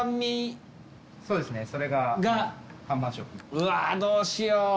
うわどうしよう。